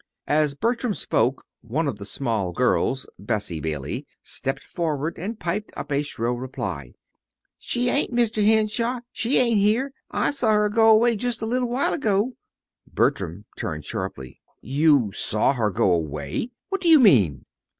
As Bertram spoke, one of the small girls, Bessie Bailey, stepped forward and piped up a shrill reply. "She ain't, Mr. Henshaw! She ain't here. I saw her go away just a little while ago." Bertram turned sharply. "You saw her go away! What do you mean?"